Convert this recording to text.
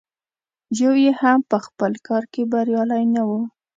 یو یې هم په خپل کار کې بریالی نه و.